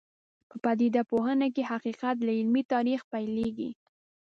په پدیده پوهنه کې حقیقت له عملي تاریخ پیلېږي.